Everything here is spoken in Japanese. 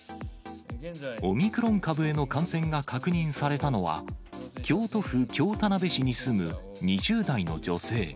オミクロン株への感染が確認されたのは、京都府京田辺市に住む２０代の女性。